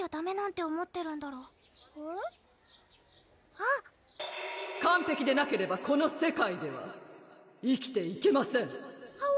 あっ完璧でなければこの世界では生きていけまはわ！